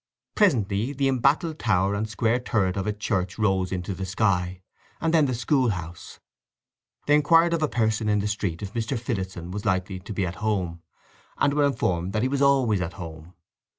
Presently the embattled tower and square turret of the church rose into the sky, and then the school house. They inquired of a person in the street if Mr. Phillotson was likely to be at home, and were informed that he was always at home.